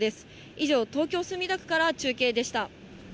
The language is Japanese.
以上、東京・墨田区から中継でした。